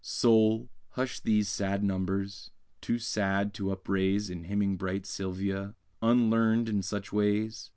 _Soul, hush these sad numbers, too sad to upraise In hymning bright Sylvia, unlearn'd in such ways!